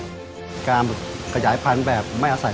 ไปดูกันค่ะว่าหน้าตาของเจ้าปาการังอ่อนนั้นจะเป็นแบบไหน